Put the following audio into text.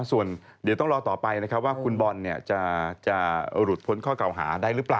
ส่วนเดี๋ยวต้องรอต่อไปนะครับว่าคุณบอลจะหลุดพ้นข้อเก่าหาได้หรือเปล่า